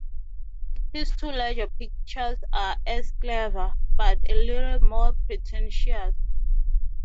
His two larger pictures are as clever, but a little more pretentious.